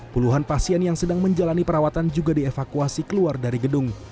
puluhan pasien yang sedang menjalani perawatan juga dievakuasi keluar dari gedung